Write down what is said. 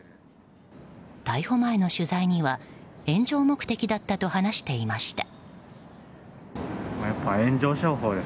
逮捕前の取材には炎上目的だったと話していました。